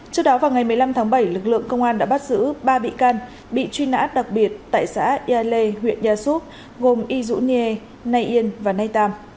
trước đó vào ngày một mươi năm tháng bảy lực lượng công an đã bắt giữ ba bị can bị truy nã đặc biệt tại xã yai lê huyện nha xúc gồm y dũ niê nay yên và nay tam